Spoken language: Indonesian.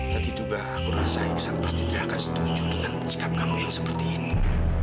lagi juga aku rasa iksan pasti tidak akan setuju dengan sikap kamu yang seperti itu